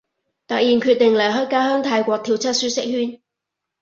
突然決定離開家鄉泰國，跳出舒適圈